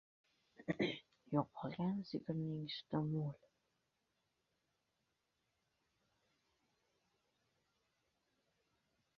• Yo‘qolgan sigirning suti mo‘l.